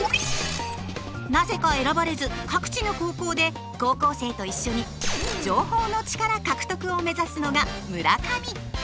なぜか選ばれず各地の高校で高校生と一緒に情報のチカラ獲得を目指すのが村上。